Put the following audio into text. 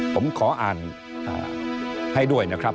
ผมขออ่านให้ด้วยนะครับ